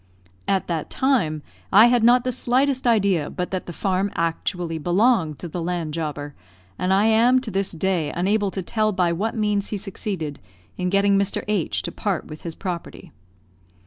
At that time I had not the slightest idea but that the farm actually belonged to the land jobber; and I am to this day unable to tell by what means he succeeded in getting Mr. H to part with his property.